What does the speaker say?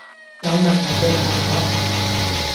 有問題既唔係我